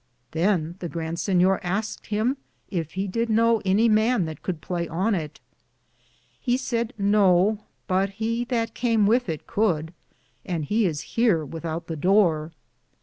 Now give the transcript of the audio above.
Than the Grande Sinyor asked him yf he did know any man that could playe on it. He sayd no, but he that came with it coulde, and he is heare without the dore.